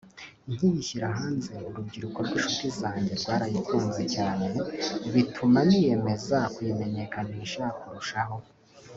nkiyishyira hanze urubyiruko rw’inshuti zanjye rwarayikunze cyane bituma niyemeza kuyimenyekanisha kurushaho